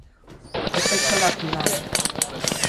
O peso da privada